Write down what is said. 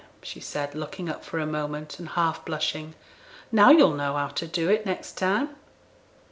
said she, looking up for a moment, and half blushing; 'now yo'll know how to do it next time.'